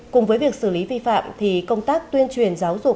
cùng với việc xử lý vi phạm thì công tác tuyên truyền giáo dục